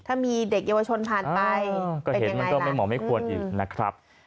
ถ้ามีเด็กเยาวชนผ่านไปก็เห็นมันก็ไม่เหมาะไม่ควรอีกนะครับ